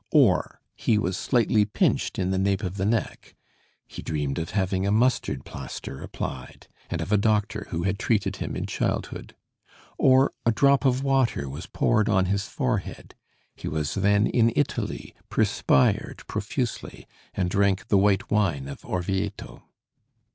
Or, he was slightly pinched in the nape of the neck; he dreamed of having a mustard plaster applied, and of a doctor who had treated him in childhood. Or, a drop of water was poured on his forehead. He was then in Italy, perspired profusely, and drank the white wine of Orvieto.